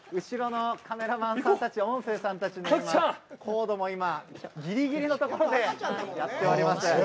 後ろのカメラマンさんたち音声さんたちコードもギリギリのところでやっております。